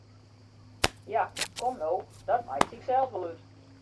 Ja, kom no, dat meitsje ik sels wol út!